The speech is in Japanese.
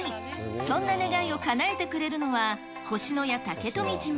そんな願いをかなえてくれるのは、星のや竹富島。